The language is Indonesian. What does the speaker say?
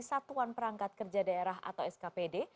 satuan perangkat kerja daerah atau skpd